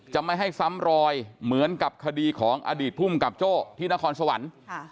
ไม่ให้ซ้ำรอยเหมือนกับคดีของอดีตภูมิกับโจ้ที่นครสวรรค์